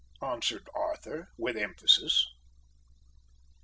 answered Arthur with emphasis.